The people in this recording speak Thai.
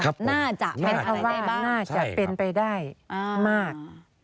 ครับผมน่าจะเป็นอะไรได้บ้างใช่ครับน่าจะเป็นไปได้มาก